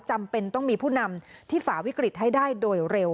จำเป็นต้องมีผู้นำที่ฝ่าวิกฤตให้ได้โดยเร็ว